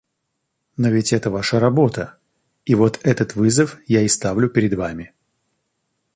Но ведь это наша работа, и вот этот вызов я и ставлю перед вами.